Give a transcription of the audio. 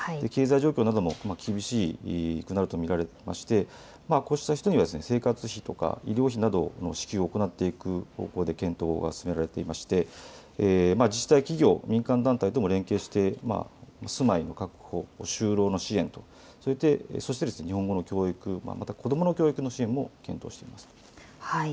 経済状況なども厳しくなるとみられてましてこうした人には生活費とか医療費などの支給を行っていく方向で検討が進められていまして自治体、企業を民間などとも連携して住まいの確保、就労の支援とそして日本語の教育また、子どもの教育の支援も検討しています。